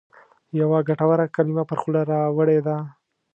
یوه ګټوره کلمه پر خوله راوړې ده.